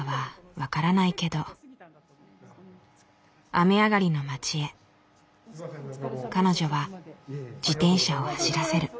雨上がりの街へ彼女は自転車を走らせる。